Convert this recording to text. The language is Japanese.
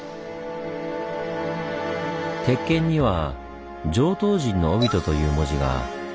鉄剣には「杖刀人首」という文字が。